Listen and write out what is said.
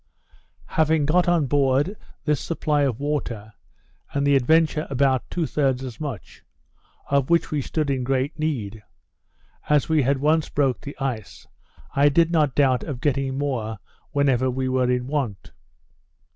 Having got on board this supply of water, and the Adventure about two thirds as much (of which we stood in great need,) as we had once broke the ice, I did not doubt of getting more whenever we were in want.